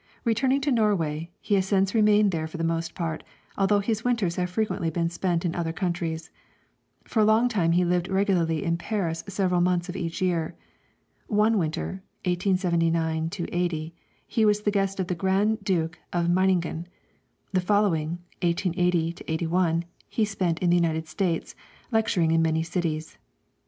Returning to Norway, he has since remained there for the most part, although his winters have frequently been spent in other countries. For a long time he lived regularly in Paris several months of each year; one winter (1879 80) he was the guest of the Grand Duke of Meiningen; the following (1880 81) he spent in the United States, lecturing in many cities.